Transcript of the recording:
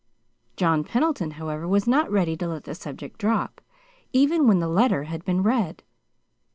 John Pendleton, however, was not ready to let the subject drop, even when the letter had been read.